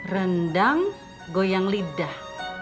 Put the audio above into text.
rendang goyang lidah